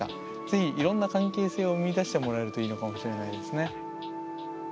是非いろんな関係性を見いだしてもらえるといいのかもしれないですね。